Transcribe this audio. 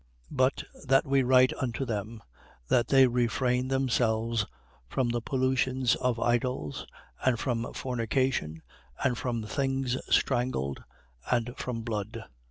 But that we write unto them, that they refrain themselves from the pollutions of idols and from fornication and from things strangled and from blood.